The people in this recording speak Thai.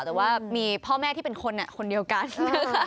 แต่ว่ามีพ่อแม่ที่เป็นคนคนเดียวกันนะคะ